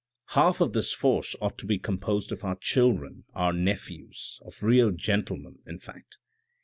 " Half of this force ought to be composed of our children, our nephews, of real gentlemen, in fact.